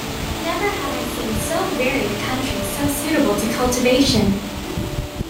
Never have I seen so varied a country so suitable to cultivation.